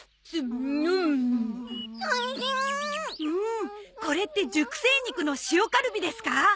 うんこれって熟成肉の塩カルビですか？